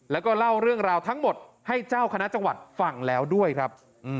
แล้วก็เล่าเรื่องราวทั้งหมดให้เจ้าคณะจังหวัดฟังแล้วด้วยครับ